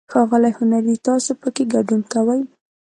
ښاغلی هنري، تاسو پکې ګډون کوئ؟